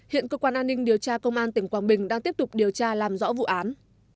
hiện cơ quan an ninh điều tra công an tỉnh quảng bình đang tiếp tục điều tra làm rõ vụ án